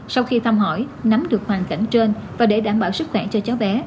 sau khi thăm hỏi nắm được hoàn cảnh trên và để đảm bảo sức khỏe cho cháu bé